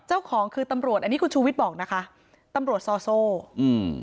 เจ้าของคือตำรวจอันนี้คุณชูวิทย์บอกนะคะตำรวจซอโซ่อืม